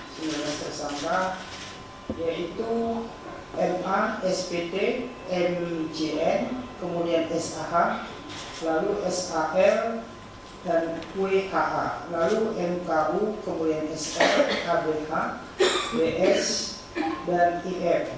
ketua tersangka yaitu ma spt mijn kemudian sah lalu sal dan wkh lalu mku kemudian sl kbh bs dan im